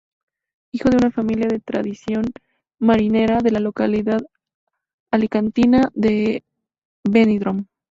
Hijo de una familia de tradición marinera de la localidad alicantina de Benidorm.